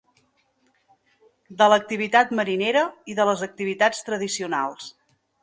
de l'activitat marinera i de les activitats tradicionals